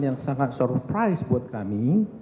yang sangat surprise buat kami